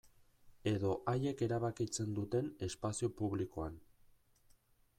Edo haiek erabakitzen duten espazio publikoan.